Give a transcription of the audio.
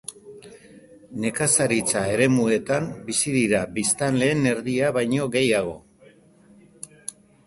Nekazaritza-eremuetan bizi dira biztanleen erdiak baino gehiago.